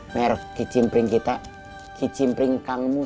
merk kicimpring kita kicimpring kang mus